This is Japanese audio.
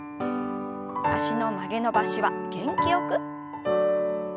脚の曲げ伸ばしは元気よく。